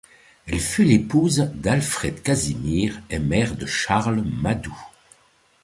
Elle fut l'épouse d'Alfred-Casimir et mère de Charles Madoux.